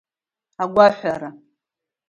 Агәаҳәара…